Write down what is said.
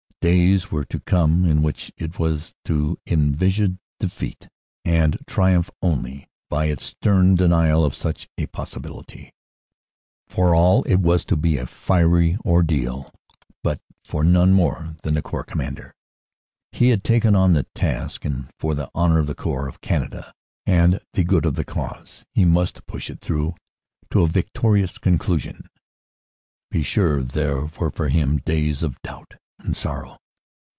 Days were to come in which it was to envisage defeat and triumph only by its stern denial of such a possibility. For all it was to be a fiery ordeal; but for none more than the Corps Commander. He had taken on the task and for the honor of the Corps, of Canada, and the good of the cause, he must push it through to a victorious conclusion. Be sure there were for him days of doubt and sorrow.